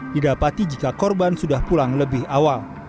didapati jika korban sudah pulang lebih awal